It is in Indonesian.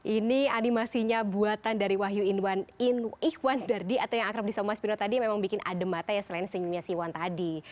ini animasinya buatan dari wahyu ihwan dardi atau yang akrab di sama mas pino tadi memang bikin adem mata ya selain senyumnya si wan tadi